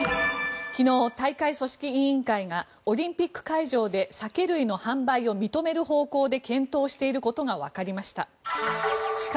昨日、大会組織委員会がオリンピック会場で酒類の販売を認める方向で検討していることがわかりました。